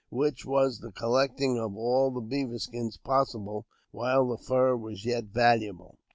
65 which was the collecting of all the beaver skins possible while the fur was yet valuable.